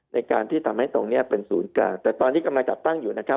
ในการที่ทำให้ตรงเนี้ยเป็นศูนย์กลางแต่ตอนนี้กำลังจัดตั้งอยู่นะครับ